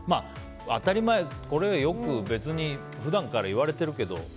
当たり前、これは別に普段から言われてるけど。